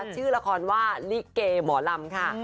ชื่อละครว่าลิเกหมอลำค่ะ